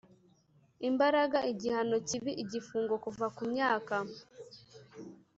imbaraga igihano kiba igifungo kuva ku myaka